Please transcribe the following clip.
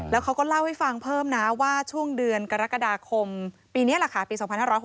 แล้วเขาก็เล่าให้ฟังเพิ่มนะว่าช่วงเดือนกรกฎาคมปีนี้แหละค่ะปี๒๕๖๖